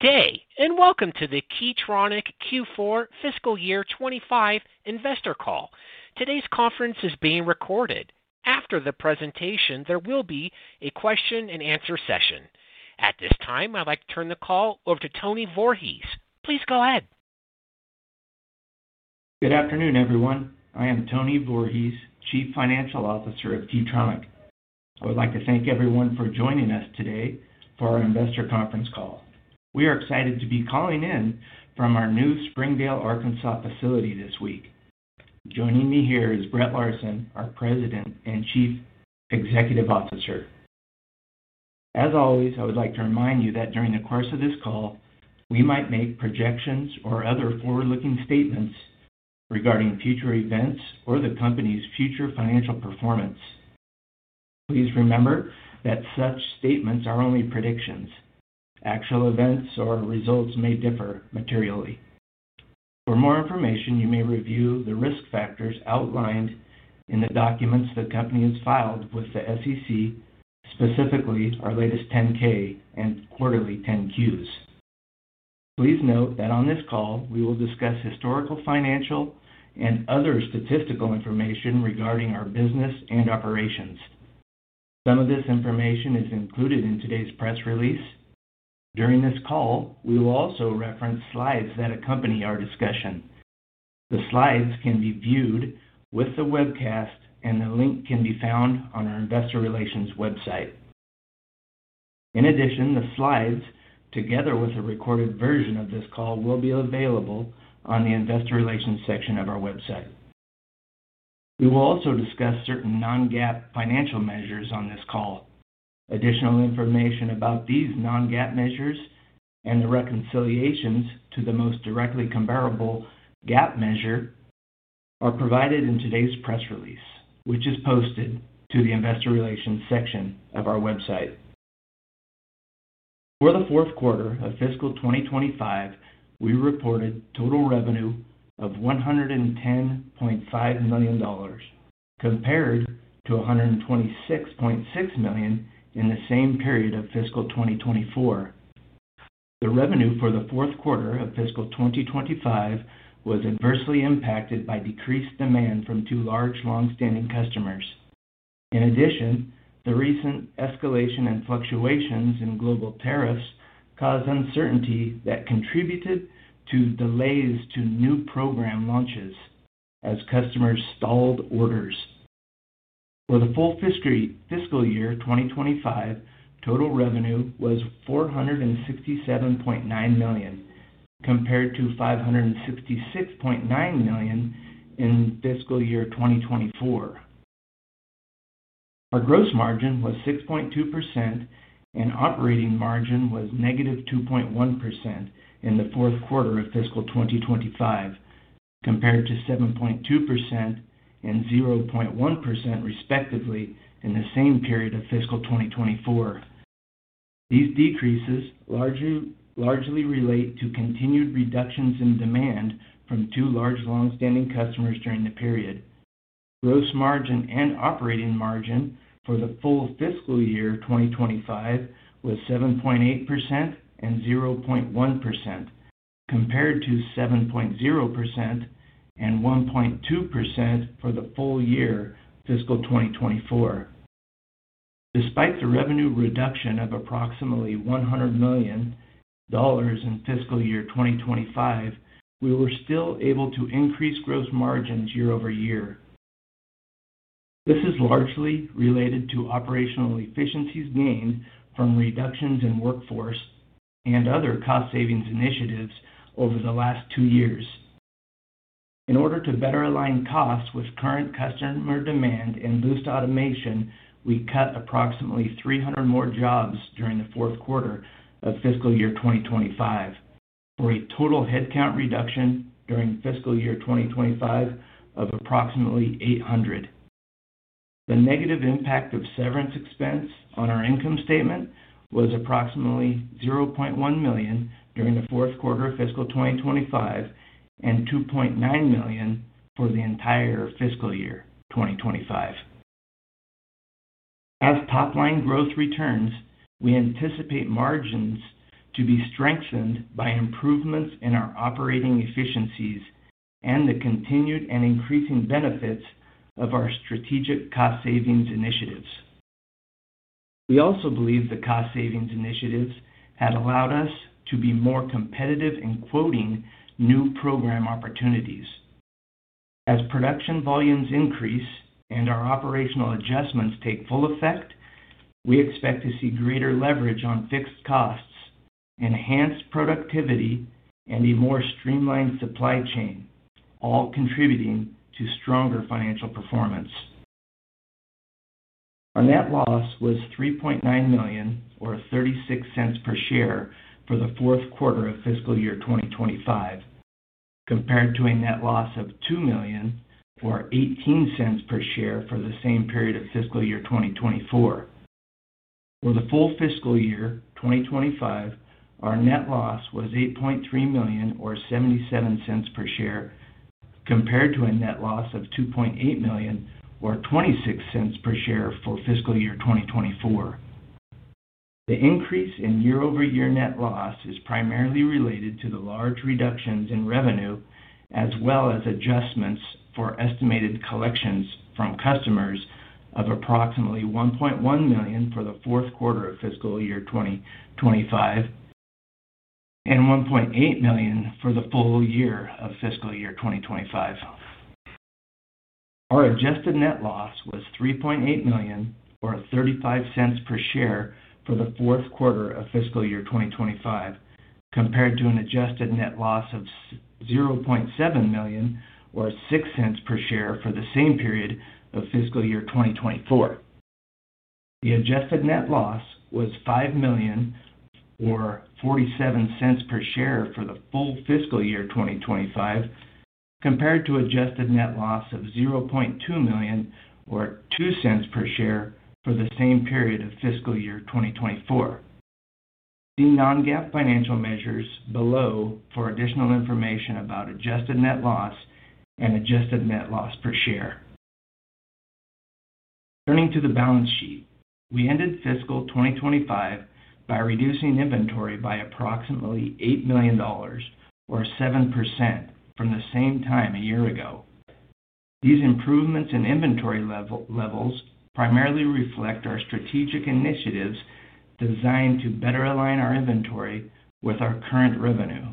Okay, and welcome to the Key Tronic Q4 Fiscal Year 2025 Investor Call. Today's conference is being recorded. After the presentation, there will be a question-and-answer session. At this time, I'd like to turn the call over to Tony Voorhees. Please go ahead. Good afternoon, everyone. I am Tony Voorhees, Chief Financial Officer of Key Tronic. I would like to thank everyone for joining us today for our investor conference call. We are excited to be calling in from our new Springdale, Arkansas facility this week. Joining me here is Brett Larsen, our President and Chief Executive Officer. As always, I would like to remind you that during the course of this call, we might make projections or other forward-looking statements regarding future events or the company's future financial performance. Please remember that such statements are only predictions. Actual events or results may differ materially. For more information, you may review the risk factors outlined in the documents the company has filed with the SEC, specifically our latest 10-K and quarterly 10-Qs. Please note that on this call, we will discuss historical financial and other statistical information regarding our business and operations. Some of this information is included in today's press release. During this call, we will also reference slides that accompany our discussion. The slides can be viewed with the webcast, and the link can be found on our Investor Relations website. In addition, the slides, together with a recorded version of this call, will be available on the Investor Relations section of our website. We will also discuss certain non-GAAP financial measures on this call. Additional information about these non-GAAP measures and the reconciliations to the most directly comparable GAAP measure are provided in today's press release, which is posted to the Investor Relations section of our website. For the fourth quarter of fiscal year 2025, we reported total revenue of $110.5 million, compared to $126.6 million in the same period of fiscal year 2024. The revenue for the fourth quarter of fiscal year 2025 was adversely impacted by decreased demand from two large longstanding customers. In addition, the recent escalation and fluctuations in global tariffs caused uncertainty that contributed to delays to new program launches as customers stalled orders. For the full fiscal year 2025, total revenue was $467.9 million, compared to $566.9 million in fiscal year 2024. Our gross margin was 6.2%, and operating margin was -2.1% in the fourth quarter of fiscal year 2025, compared to 7.2% and 0.1% respectively in the same period of fiscal year 2024. These decreases largely relate to continued reductions in demand from two large longstanding customers during the period. Gross margin and operating margin for the full fiscal year 2025 was 7.8% and 0.1%, compared to 7.0% and 1.2% for the full year fiscal 2024. Despite the revenue reduction of approximately $100 million in fiscal year 2025, we were still able to increase gross margins year-over-year. This is largely related to operational efficiencies gained from reductions in workforce and other cost-saving initiatives over the last two years. In order to better align costs with current customer demand and boost automation, we cut approximately 300 more jobs during the fourth quarter of fiscal year 2025, for a total headcount reduction during fiscal year 2025 of approximately 800. The negative impact of severance expense on our income statement was approximately $0.1 million during the fourth quarter of fiscal 2025 and $2.9 million for the entire fiscal year 2025. As top-line growth returns, we anticipate margins to be strengthened by improvements in our operating efficiencies and the continued and increasing benefits of our strategic cost-saving initiatives. We also believe the cost-saving initiatives had allowed us to be more competitive in quoting new program opportunities. As production volumes increase and our operational adjustments take full effect, we expect to see greater leverage on fixed costs, enhanced productivity, and a more streamlined supply chain, all contributing to stronger financial performance. Our net loss was $3.9 million or $0.36 per share for the fourth quarter of fiscal year 2025, compared to a net loss of $2 million or $0.18 per share for the same period of fiscal year 2024. For the full fiscal year 2025, our net loss was $8.3 million or $0.77 per share, compared to a net loss of $2.8 million or $0.26 per share for fiscal year 2024. The increase in year-over-year net loss is primarily related to the large reductions in revenue, as well as adjustments for estimated collections from customers of approximately $1.1 million for the fourth quarter of fiscal year 2025 and $1.8 million for the full year of fiscal year 2025. Our adjusted net loss was $3.8 million or $0.35 per share for the fourth quarter of fiscal year 2025, compared to an adjusted net loss of $0.7 million or $0.06 per share for the same period of fiscal year 2024. The adjusted net loss was $5 million or $0.47 per share for the full fiscal year 2025, compared to an adjusted net loss of $0.2 million or $0.02 per share for the same period of fiscal year 2024. See non-GAAP financial measures below for additional information about adjusted net loss and adjusted net loss per share. Turning to the balance sheet, we ended fiscal 2025 by reducing inventory by approximately $8 million or 7% from the same time a year ago. These improvements in inventory levels primarily reflect our strategic initiatives designed to better align our inventory with our current revenue.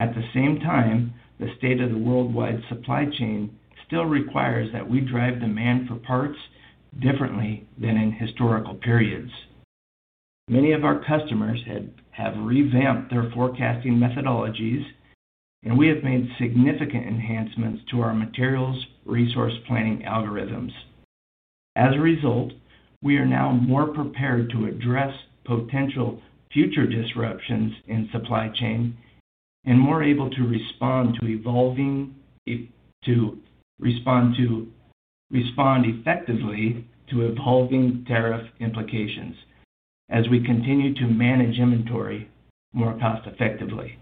At the same time, the state of the worldwide supply chain still requires that we drive demand for parts differently than in historical periods. Many of our customers have revamped their forecasting methodologies, and we have made significant enhancements to our materials resource planning algorithms. As a result, we are now more prepared to address potential future disruptions in supply chain and more able to respond effectively to evolving tariff implications as we continue to manage inventory more cost-effectively.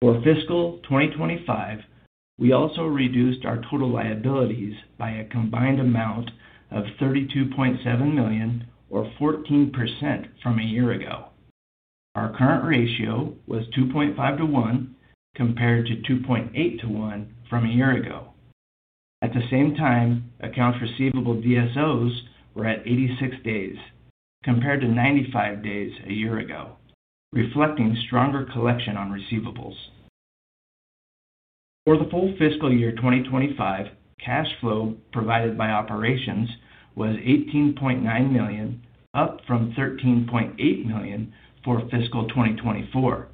For fiscal 2025, we also reduced our total liabilities by a combined amount of $32.7 million or 14% from a year ago. Our current ratio was 2.5 to 1 compared to 2.8 to 1 from a year ago. At the same time, accounts receivable DSOs were at 86 days compared to 95 days a year ago, reflecting stronger collection on receivables. For the full fiscal year 2025, cash flow provided by operations was $18.9 million, up from $13.8 million for fiscal 2024.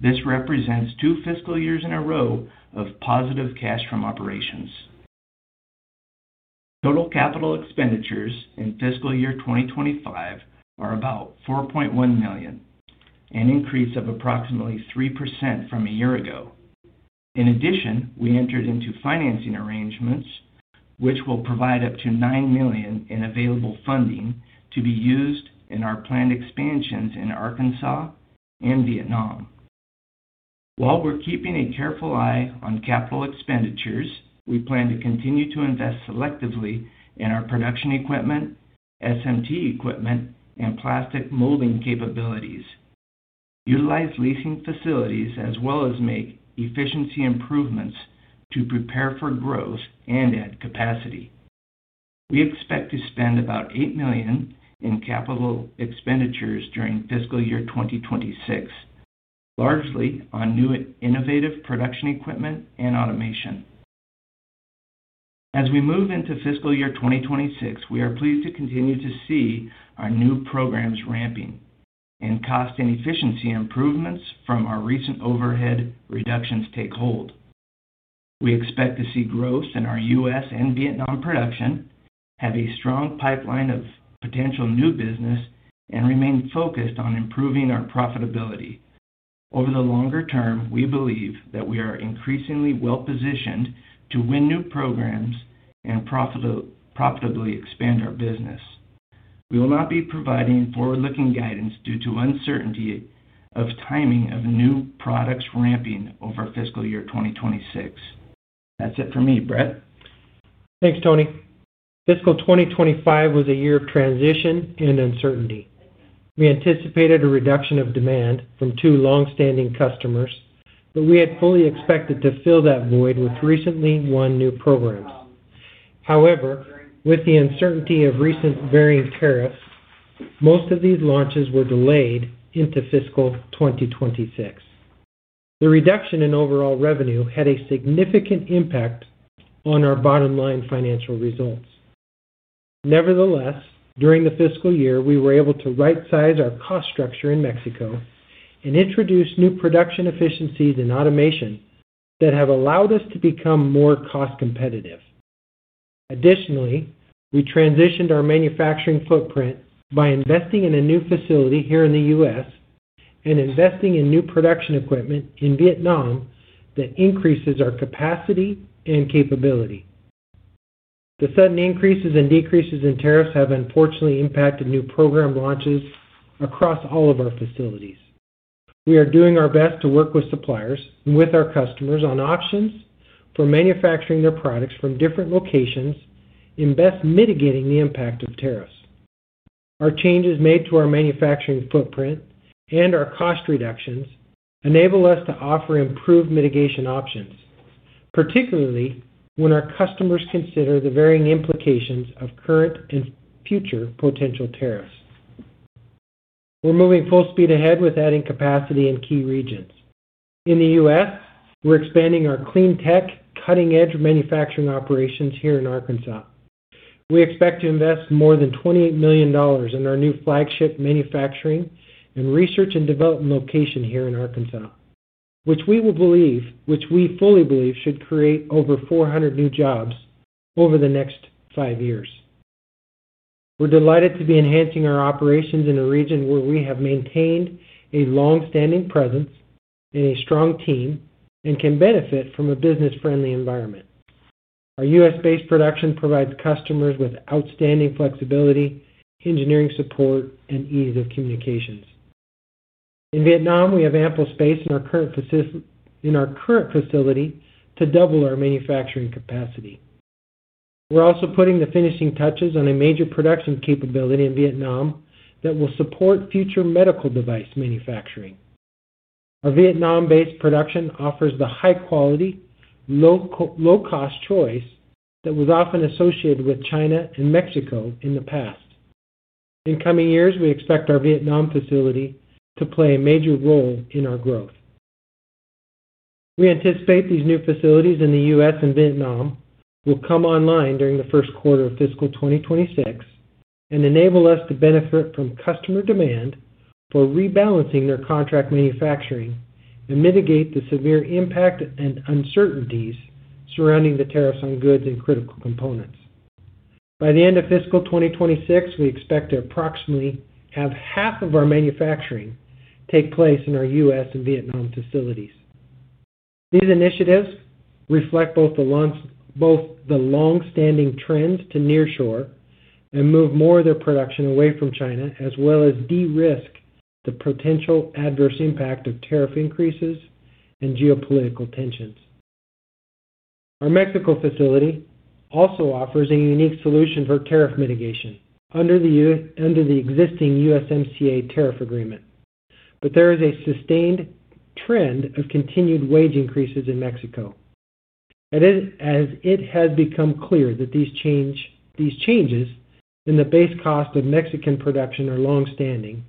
This represents two fiscal years in a row of positive cash from operations. Total capital expenditures in fiscal year 2025 are about $4.1 million, an increase of approximately 3% from a year ago. In addition, we entered into financing arrangements, which will provide up to $9 million in available funding to be used in our planned expansions in Arkansas and Vietnam. While we're keeping a careful eye on capital expenditures, we plan to continue to invest selectively in our production equipment, SMT equipment, and plastic molding capabilities, utilize leasing facilities, as well as make efficiency improvements to prepare for growth and add capacity. We expect to spend about $8 million in capital expenditures during fiscal year 2026, largely on new innovative production equipment and automation. As we move into fiscal year 2026, we are pleased to continue to see our new programs ramping and cost and efficiency improvements from our recent overhead reductions take hold. We expect to see growth in our U.S. and Vietnam production, have a strong pipeline of potential new business, and remain focused on improving our profitability. Over the longer term, we believe that we are increasingly well-positioned to win new programs and profitably expand our business. We will not be providing forward-looking guidance due to uncertainty of timing of new products ramping over fiscal year 2026. That's it for me, Brett. Thanks, Tony. Fiscal 2025 was a year of transition and uncertainty. We anticipated a reduction of demand from two longstanding customers, but we had fully expected to fill that void with recently won new programs. However, with the uncertainty of recent varying tariffs, most of these launches were delayed into fiscal year 2026. The reduction in overall revenue had a significant impact on our bottom-line financial results. Nevertheless, during the fiscal year, we were able to right-size our cost structure in Mexico and introduce new production efficiencies and automation that have allowed us to become more cost-competitive. Additionally, we transitioned our manufacturing footprint by investing in a new facility here in the U.S. and investing in new production equipment in Vietnam that increases our capacity and capability. The sudden increases and decreases in tariffs have unfortunately impacted new program launches across all of our facilities. We are doing our best to work with suppliers and with our customers on options for manufacturing their products from different locations and best mitigating the impact of tariffs. Our changes made to our manufacturing footprint and our cost reductions enable us to offer improved mitigation options, particularly when our customers consider the varying implications of current and future potential tariffs. We're moving full speed ahead with adding capacity in key regions. In the U.S., we're expanding our clean tech, cutting-edge manufacturing operations here in Arkansas. We expect to invest more than $20 million in our new flagship manufacturing and research and development location here in Arkansas, which we fully believe should create over 400 new jobs over the next five years. We're delighted to be enhancing our operations in a region where we have maintained a longstanding presence and a strong team and can benefit from a business-friendly environment. Our U.S.-based production provides customers with outstanding flexibility, engineering support, and ease of communications. In Vietnam, we have ample space in our current facility to double our manufacturing capacity. We're also putting the finishing touches on a major production capability in Vietnam that will support future medical device manufacturing. Our Vietnam-based production offers the high-quality, low-cost choice that was often associated with China and Mexico in the past. In coming years, we expect our Vietnam facility to play a major role in our growth. We anticipate these new facilities in the U.S. and Vietnam will come online during the first quarter of fiscal 2026 and enable us to benefit from customer demand for rebalancing their contract manufacturing and mitigate the severe impact and uncertainties surrounding the tariffs on goods and critical components. By the end of fiscal 2026, we expect to approximately have half of our manufacturing take place in our U.S. and Vietnam facilities. These initiatives reflect both the longstanding trends to nearshore and move more of their production away from China, as well as de-risk the potential adverse impact of tariff increases and geopolitical tensions. Our Mexico facility also offers a unique solution for tariff mitigation under the existing USMCA tariff agreement, but there is a sustained trend of continued wage increases in Mexico. As it has become clear that these changes in the base cost of Mexican production are longstanding,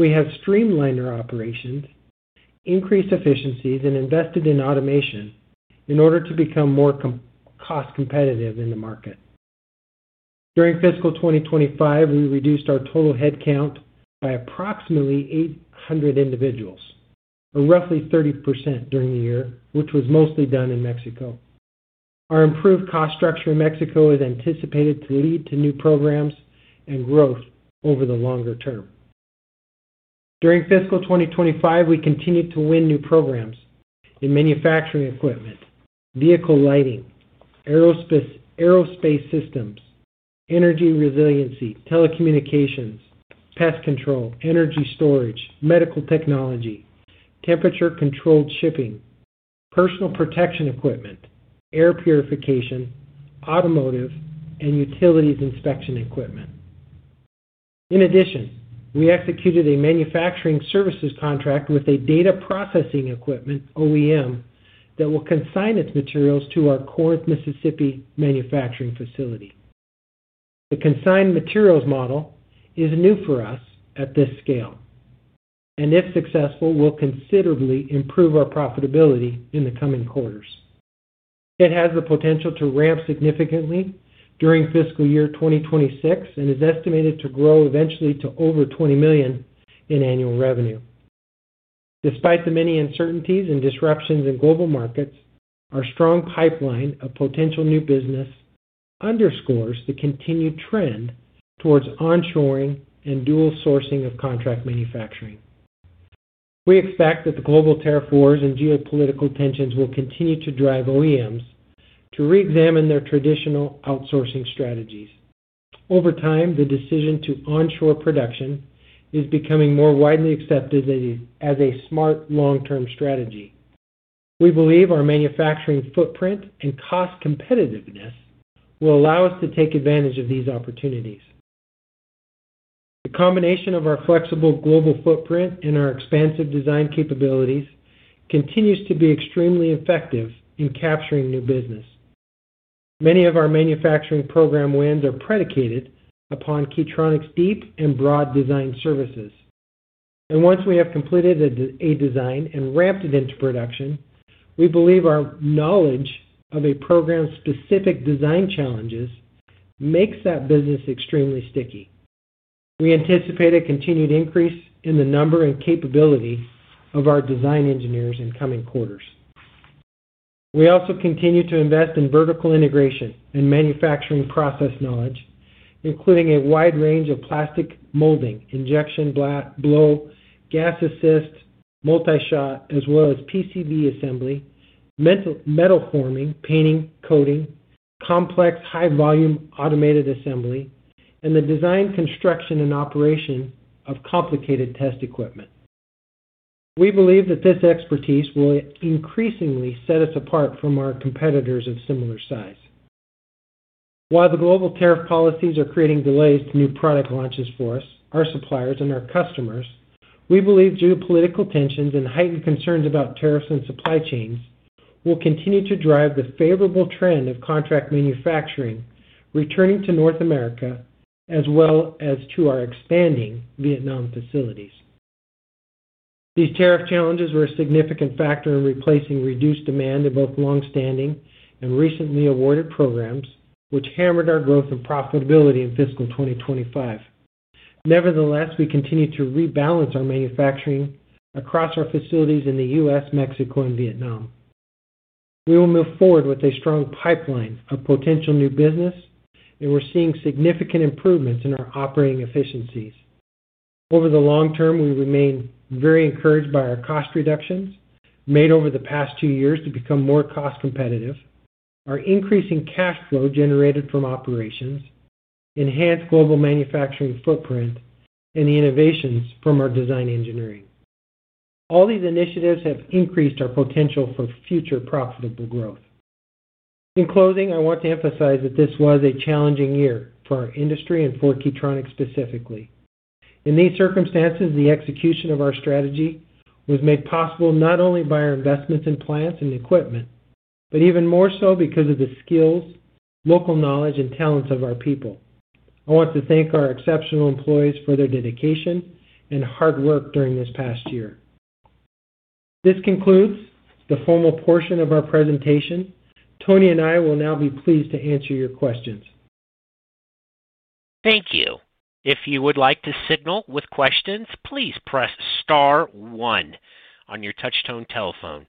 we have streamlined our operations, increased efficiencies, and invested in automation in order to become more cost-competitive in the market. During fiscal 2025, we reduced our total headcount by approximately 800 individuals, or roughly 30% during the year, which was mostly done in Mexico. Our improved cost structure in Mexico is anticipated to lead to new programs and growth over the longer term. During fiscal 2025, we continue to win new programs in manufacturing equipment, vehicle lighting, aerospace systems, energy resiliency, telecommunications, pest control, energy storage, medical technology, temperature-controlled shipping, personal protection equipment, air purification, automotive, and utilities inspection equipment. In addition, we executed a manufacturing services contract with a data processing equipment OEM that will consign its materials to our Corinth, Mississippi, manufacturing facility. The consigned materials model is new for us at this scale, and if successful, will considerably improve our profitability in the coming quarters. It has the potential to ramp significantly during fiscal year 2026 and is estimated to grow eventually to over $20 million in annual revenue. Despite the many uncertainties and disruptions in global markets, our strong pipeline of potential new business underscores the continued trend towards onshoring and dual sourcing of contract manufacturing. We expect that the global tariff wars and geopolitical tensions will continue to drive OEMs to reexamine their traditional outsourcing strategies. Over time, the decision to onshore production is becoming more widely accepted as a smart long-term strategy. We believe our manufacturing footprint and cost competitiveness will allow us to take advantage of these opportunities. The combination of our flexible global footprint and our expansive design engineering capabilities continues to be extremely effective in capturing new business. Many of our manufacturing program wins are predicated upon Key Tronic's deep and broad design services. Once we have completed a design and ramped it into production, we believe our knowledge of a program's specific design challenges makes that business extremely sticky. We anticipate a continued increase in the number and capability of our design engineers in coming quarters. We also continue to invest in vertical integration and manufacturing process knowledge, including a wide range of plastic molding, injection blow, gas assist, multi-shot, as well as PCB assembly, metal forming, painting, coating, complex high-volume automated assembly, and the design, construction, and operation of complicated test equipment. We believe that this expertise will increasingly set us apart from our competitors of similar size. While the global tariff policies are creating delays to new product launches for us, our suppliers, and our customers, we believe geopolitical tensions and heightened concerns about tariffs and supply chains will continue to drive the favorable trend of contract manufacturing returning to North America, as well as to our expanding Vietnam facilities. These tariff challenges were a significant factor in replacing reduced demand in both longstanding and recently awarded programs, which hammered our growth and profitability in fiscal year 2025. Nevertheless, we continue to rebalance our manufacturing across our facilities in the U.S., Mexico, and Vietnam. We will move forward with a strong pipeline of potential new business, and we're seeing significant improvements in our operating efficiencies. Over the long term, we remain very encouraged by our cost reductions made over the past two years to become more cost-competitive. Our increasing cash flow generated from operations, enhanced global manufacturing footprint, and the innovations from our design engineering. All these initiatives have increased our potential for future profitable growth. In closing, I want to emphasize that this was a challenging year for our industry and for Key Tronic specifically. In these circumstances, the execution of our strategy was made possible not only by our investments in plants and equipment, but even more so because of the skills, local knowledge, and talents of our people. I want to thank our exceptional employees for their dedication and hard work during this past year. This concludes the formal portion of our presentation. Tony and I will now be pleased to answer your questions. Thank you. If you would like to signal with questions, please press star one on your touch-tone telephone.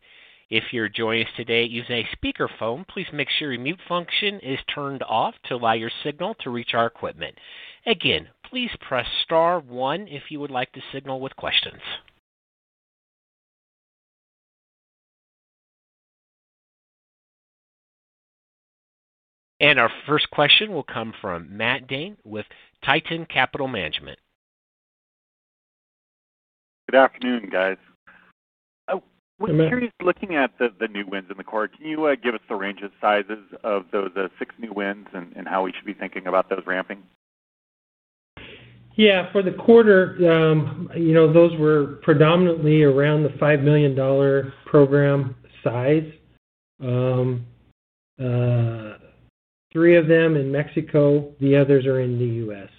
If you're joining us today using a speakerphone, please make sure your mute function is turned off to allow your signal to reach our equipment. Again, please press star one if you would like to signal with questions. Our first question will come from Matt Dhane with Tieton Capital Management. Good afternoon, guys. We're curious, looking at the new wins in the quarter, can you give us the range of sizes of those six new wins and how we should be thinking about those ramping? Yeah, for the quarter, you know, those were predominantly around the $5 million program size. Three of them in Mexico, the others are in the U.S.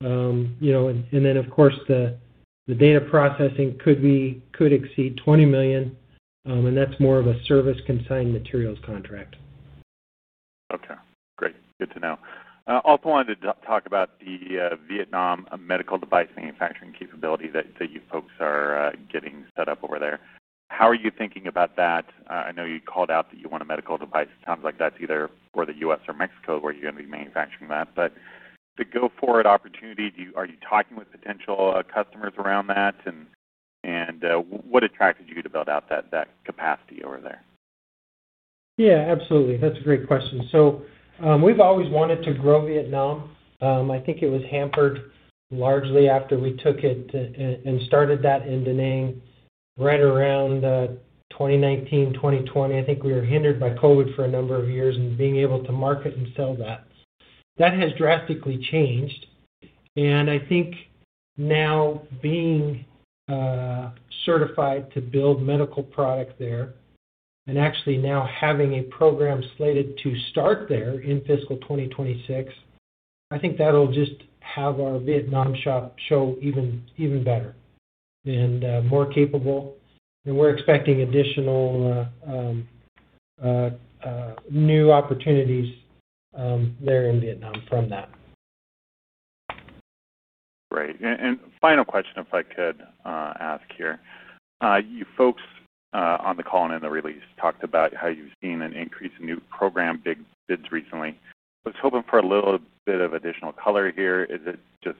You know, and then, of course, the data processing could exceed $20 million, and that's more of a service consigned materials contract. Okay, great. Good to know. I also wanted to talk about the Vietnam medical device manufacturing capability that you folks are getting sped up over there. How are you thinking about that? I know you called out that you want a medical device. It sounds like that's either for the U.S. or Mexico where you're going to be manufacturing that. The go-forward opportunities, are you talking with potential customers around that? What attracted you to build out that capacity over there? Yeah, absolutely. That's a great question. We've always wanted to grow Vietnam. I think it was hampered largely after we took it and started that in Da Nang right around 2019, 2020. I think we were hindered by COVID for a number of years in being able to market and sell that. That has drastically changed. I think now being certified to build medical device product there and actually now having a program slated to start there in fiscal 2026, that'll just have our Vietnam shop show even better and more capable. We're expecting additional new opportunities there in Vietnam from that. Great. Final question, if I could ask here, you folks on the call and in the release talked about how you've seen an increase in new program bids recently. I was hoping for a little bit of additional color here. Is this just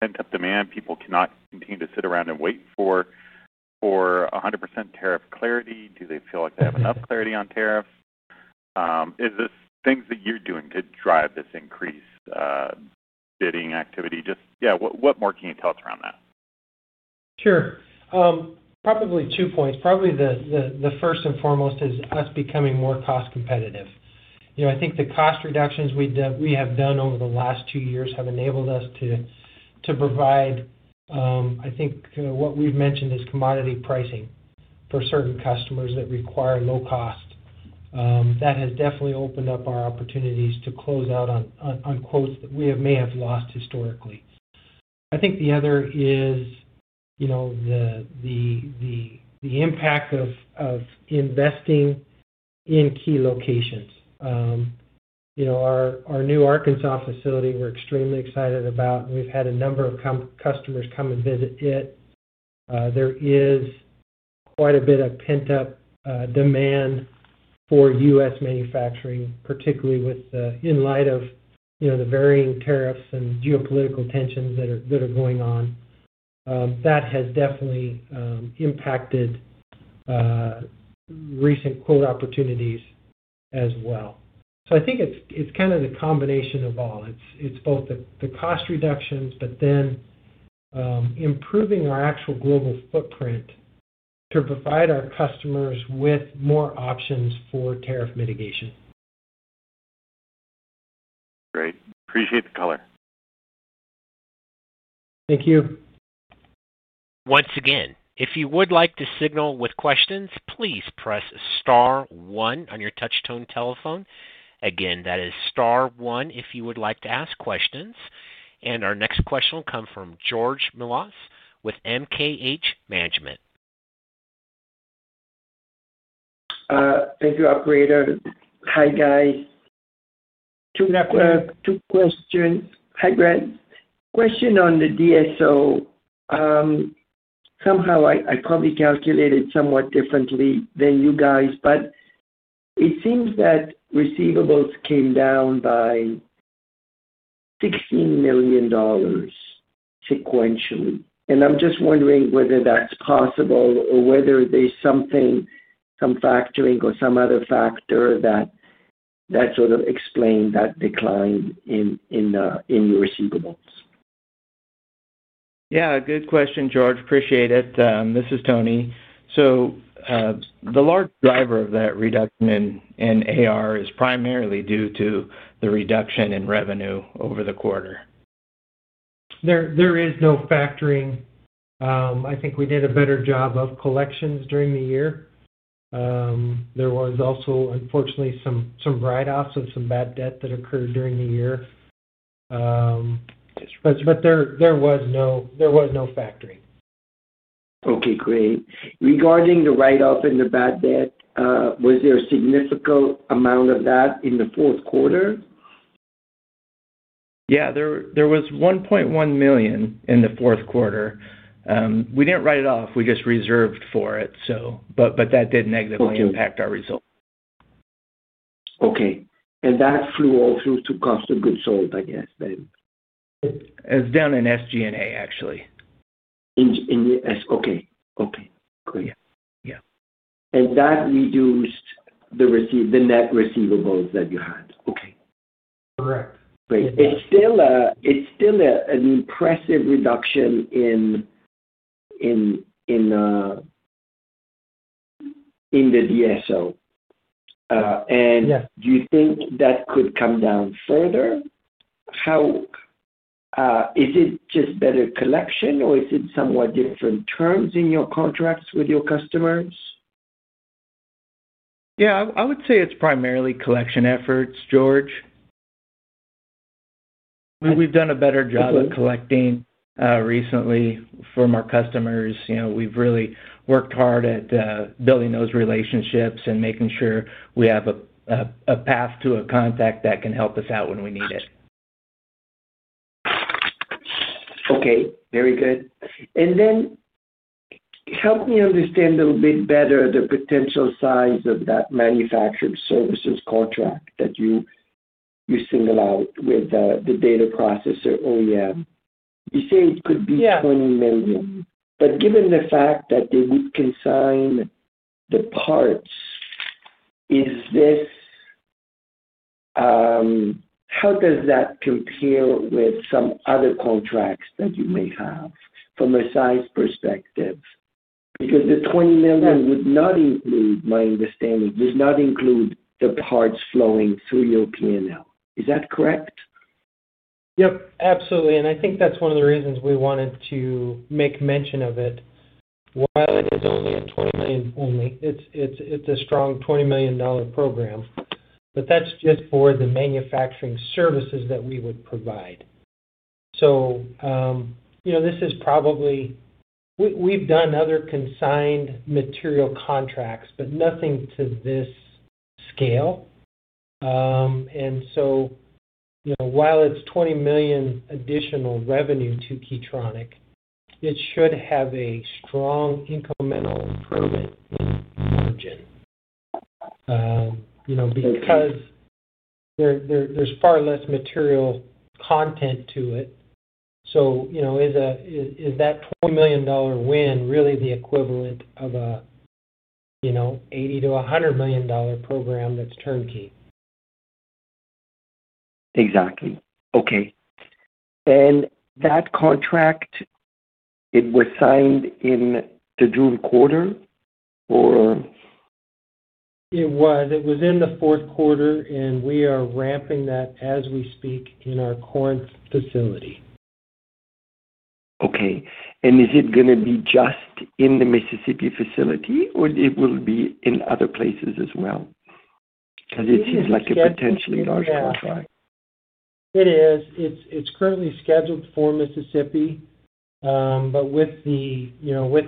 pent-up demand? People cannot continue to sit around and wait for 100% tariff clarity? Do they feel like they have enough clarity on tariffs? Is this things that you're doing to drive this increased bidding activity? What more can you tell us around that? Sure. Probably two points. The first and foremost is us becoming more cost-competitive. I think the cost reductions we have done over the last two years have enabled us to provide, I think what we've mentioned is commodity pricing for certain customers that require low cost. That has definitely opened up our opportunities to close out on quotes that we may have lost historically. The other is the impact of investing in key locations. Our new Arkansas facility, we're extremely excited about, and we've had a number of customers come and visit it. There is quite a bit of pent-up demand for U.S. manufacturing, particularly in light of the varying tariffs and the geopolitical tensions that are going on. That has definitely impacted recent quote opportunities as well. I think it's kind of the combination of all. It's both the cost reductions, but then improving our actual global footprint to provide our customers with more options for tariff mitigation. Great. Appreciate the color. Thank you. Once again, if you would like to signal with questions, please press star one on your touch-tone telephone. That is star one if you would like to ask questions. Our next question will come from George Melas with MKH Management. Thank you, operator. Hi guys. Two questions. Hi Brett. Question on the DSO. Somehow I probably calculated somewhat differently than you guys, but it seems that receivables came down by $16 million sequentially. I'm just wondering whether that's possible or whether there's something, some factoring or some other factor that explained that decline in your receivables. Yeah, good question, George. Appreciate it. This is Tony. The large driver of that reduction in AR is primarily due to the reduction in revenue over the quarter. There is no factoring. I think we did a better job of collections during the year. There was also, unfortunately, some write-offs of some bad debt that occurred during the year. There was no factoring. Okay, great. Regarding the write-off and the bad debt, was there a significant amount of that in the fourth quarter? Yeah, there was $1.1 million in the fourth quarter. We didn't write it off, we just reserved for it. That did negatively impact our results. Okay. That flew all through to cost of goods sold, I guess, then? It's down in SG&A, actually. Okay. Great. Yeah. That reduced the net receivables that you had. Okay. Correct. Great. It's still an impressive reduction in the DSO. Do you think that could come down further? Is it just better collection, or is it somewhat different terms in your contracts with your customers? Yeah, I would say it's primarily collection efforts, George. We've done a better job of collecting recently from our customers. We've really worked hard at building those relationships and making sure we have a path to a contact that can help us out when we need it. Okay. Very good. Help me understand a little bit better the potential size of that manufacturing services contract that you signal out with the data processing equipment OEM. You say it could be $20 million. Given the fact that they would consign the parts, how does that compare with some other contracts that you may have from a size perspective? The $20 million would not include, my understanding, would not include the parts flowing through your P&L. Is that correct? Absolutely. I think that's one of the reasons we wanted to make mention of it. Why is it only at $20 million? It's a strong $20 million program. That's just for the manufacturing services that we would provide. This is probably, we've done other consigned material contracts, but nothing to this scale. While it's $20 million additional revenue to Key Tronic, it should have a strong incremental improvement because there's far less material content to it. Is that $20 million win really the equivalent of an $80 million-$100 million program that's turnkey? Exactly. Okay. That contract, it was signed in the June quarter? It was in the fourth quarter, and we are ramping that as we speak in our Corinth facility. Okay. Is it going to be just in the Mississippi facility, or will it be in other places as well? It seems like it's potentially a large profile. It is. It's currently scheduled for Mississippi. With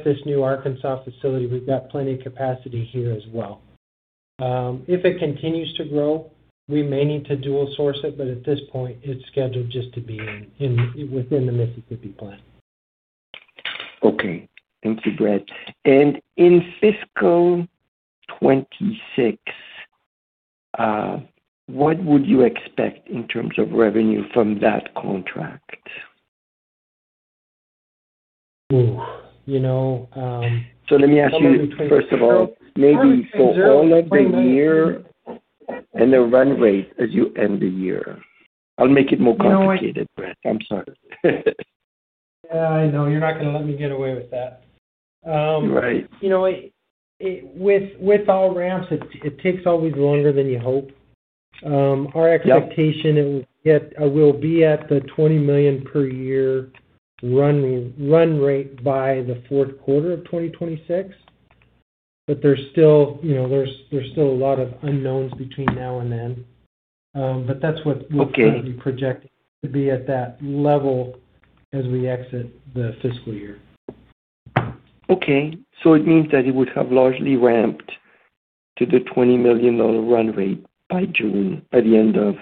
this new Arkansas facility, we've got plenty of capacity here as well. If it continues to grow, we may need to dual source it, but at this point, it's scheduled just to be within the Mississippi plant. Okay. Thank you, Brett. In fiscal 2026, what would you expect in terms of revenue from that contract? You know. Let me ask you, first of all, maybe for all of the year and the run rate as you end the year. I'll make it more complicated, Brett. I'm sorry. I know you're not going to let me get away with that. You know, with all ramps, it always takes longer than you hope. Our expectation will be at the $20 million per year run rate by the fourth quarter of 2026. There are still a lot of unknowns between now and then, but that's what we project to be at that level as we exit the fiscal year. Okay. It means that it would have largely ramped to the $20 million run rate by June, by the end of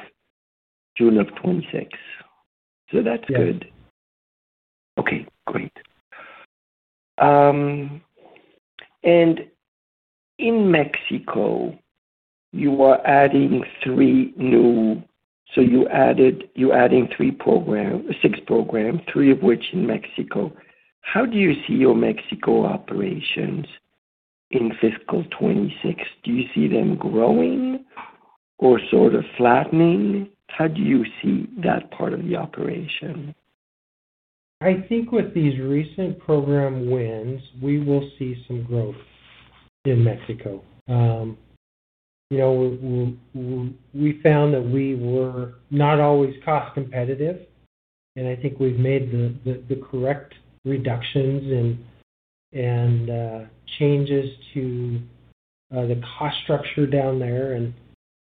June 2026. That's good. Yeah. Okay. Great. In Mexico, you are adding three new, you are adding three programs, six programs, three of which in Mexico. How do you see your Mexico operations in fiscal 2026? Do you see them growing or sort of flattening? How do you see that part of the operation? I think with these recent program wins, we will see some growth in Mexico. We found that we were not always cost-competitive, and I think we've made the correct reductions and changes to the cost structure down there.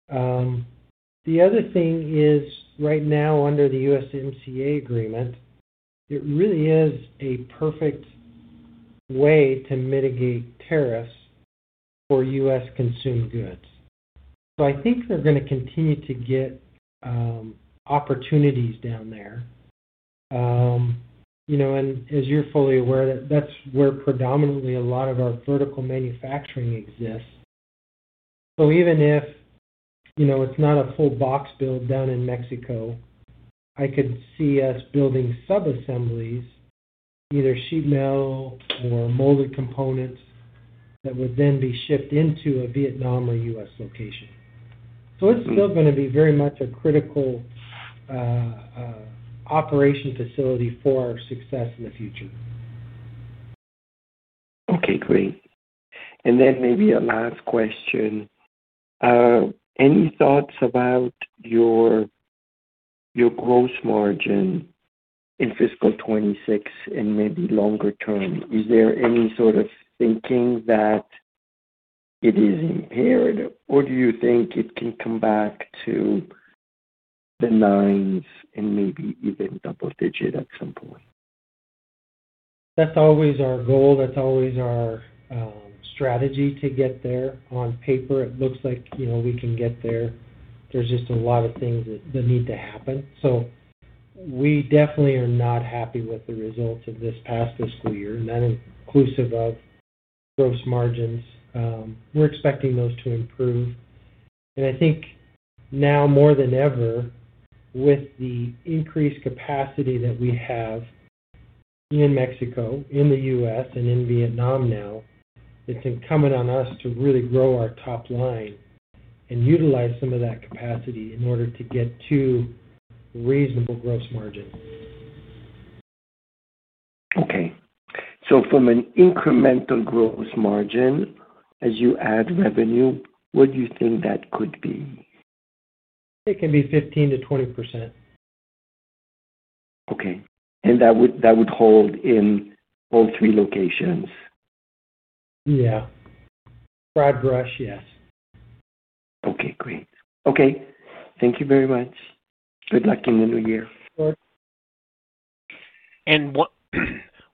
The other thing is, right now, under the USMCA agreement, it really is a perfect way to mitigate tariffs for U.S. consumed goods. I think they're going to continue to get opportunities down there. As you're fully aware, that's where predominantly a lot of our vertical manufacturing exists. Even if it's not a full box build done in Mexico, I could see us building subassemblies, either sheet metal or molded components that would then be shipped into a Vietnam or U.S. location. It's still going to be very much a critical operation facility for our success in the future. Okay. Great. Maybe a last question. Any thoughts about your gross margin in fiscal 2026 and maybe longer term? Is there any sort of thinking that it is impaired, or do you think it can come back to the nines and maybe even double-digit at some point? That's always our goal. That's always our strategy to get there. On paper, it looks like, you know, we can get there. There are just a lot of things that need to happen. We definitely are not happy with the results of this past fiscal year, and that is inclusive of gross margins. We're expecting those to improve. I think now more than ever, with the increased capacity that we have in Mexico, in the U.S., and in Vietnam now, it's incumbent on us to really grow our top line and utilize some of that capacity in order to get to a reasonable gross margin. Okay. From an incremental gross margin, as you add revenue, what do you think that could be? It can be 15%-20%. Okay. That would hold in all three locations? Yeah, broad brush, yes. Okay. Great. Thank you very much. Good luck in the new year. Sure.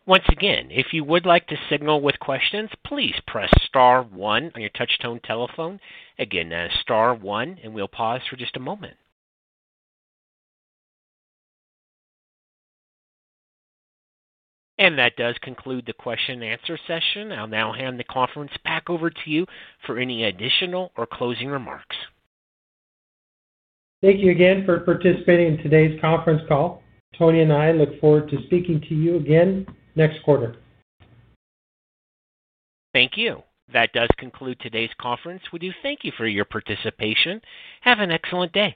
If you would like to signal with questions, please press star one on your touch-tone telephone. That is star one, and we'll pause for just a moment. That does conclude the question-and-answer session. I'll now hand the conference back over to you for any additional or closing remarks. Thank you again for participating in today's conference call. Tony and I look forward to speaking to you again next quarter. Thank you. That does conclude today's conference. We do thank you for your participation. Have an excellent day.